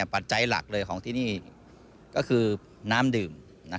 ปัจจัยหลักเลยของที่นี่ก็คือน้ำดื่ม